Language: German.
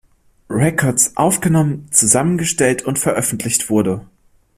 Records aufgenommen, zusammengestellt und veröffentlicht wurde.